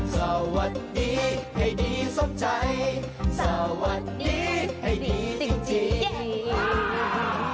สวัสดีให้ดีทรงใจสวัสดีให้ดีจริง